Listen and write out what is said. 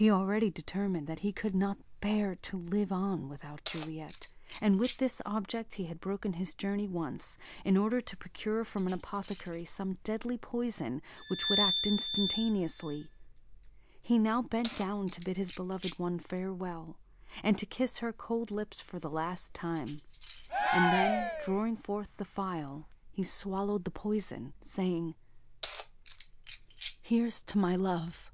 He had already determined that he could not bear to live on without Juliet; and with this object he had broken his journey once in order to procure from an apothecary some deadly poison which would act instantaneously. He now bent down to bid his beloved one farewell, and to kiss her cold lips for the last time; and then, drawing forth the phial, he swallowed the poison, saying: "Here's to my love!...